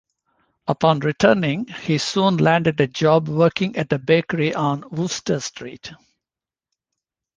Upon returning, he soon landed a job working at a bakery on Wooster Street.